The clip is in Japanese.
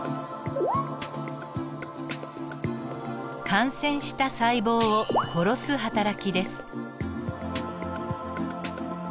「感染した細胞を殺すはたらき」です。